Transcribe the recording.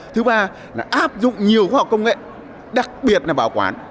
thứ ba là áp dụng nhiều khoa học công nghệ đặc biệt là bảo quản